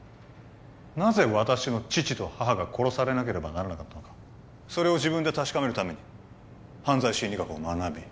なぜ私の父と母が殺されなければならなかったのかそれを自分で確かめるために犯罪心理学を学び